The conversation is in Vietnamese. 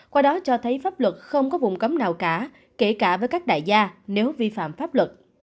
qua đó cho thấy pháp luật không có vùng cấm nào cả kể cả với các đại gia nếu vi phạm pháp luật